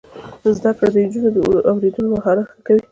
زده کړه د نجونو د اوریدلو مهارتونه ښه کوي.